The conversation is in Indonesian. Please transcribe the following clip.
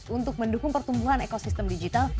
untuk mendukung pertumbuhan ekosistem digital